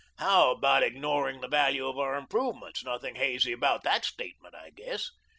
"How about ignoring the value of our improvements? Nothing hazy about THAT statement, I guess.